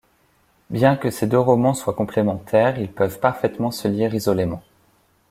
Bien que ces deux romans soient complémentaires, ils peuvent parfaitement se lire isolément.